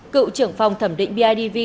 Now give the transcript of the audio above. cựu trưởng phòng thẩm định bidv